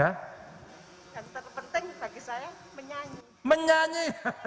yang terpenting bagi saya menyanyi